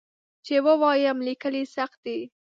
چې ووایم لیکل یې سخت دي.